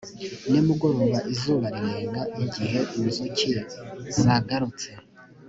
nimugoroba izuba rirenga igihe inzuki zagarutse